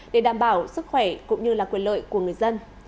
để đảm bảo sức khỏe cũng như quyền lợi của người dân